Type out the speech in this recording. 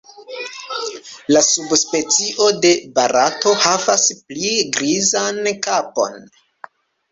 La subspecio de Barato havas pli grizan kapon.